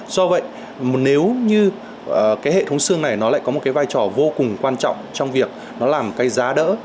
do vậy nếu như hệ thống xương này lại có một vai trò vô cùng quan trọng trong việc làm giá đỡ